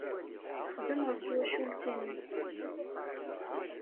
Texdem ɣef twacult-nnes.